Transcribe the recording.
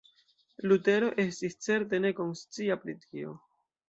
Lutero estis certe ne konscia pri tio.